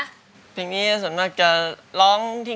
อันดับนี้เป็นแบบนี้